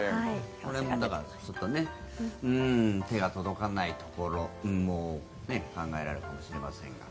これはだからちょっと手が届かないところも考えられるかもしれませんが。